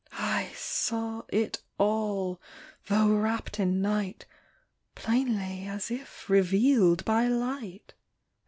I saw it all — though wrapped in night — Plainly as if revealed by light.